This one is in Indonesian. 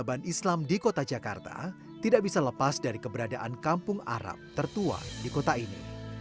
agama islam di kota jakarta tidak bisa lepas dari keberadaan kampung arab tertua di kota ini